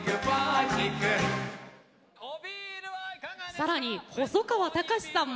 さらに細川たかしさんも。